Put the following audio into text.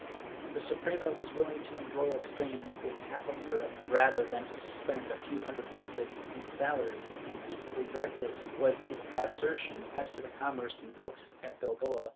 ^ The Suprema was willing to embroil Spain with half of Europe rather than to spend a few hundred ducats in salaries, and equally reckless was its assertion as to the commerce in books at Bilbao.